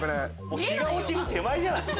日が落ちる手前じゃない。